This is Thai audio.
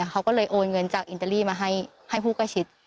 เขาก็เลยโอนเงินจากอิตาลีมาให้ผู้ใกล้ชิด